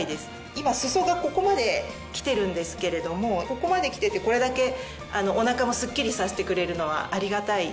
今裾がここまできてるんですけれどもここまできててこれだけお腹もスッキリさせてくれるのはありがたいです。